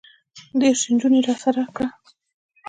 دېرش نجونې راسره کړه.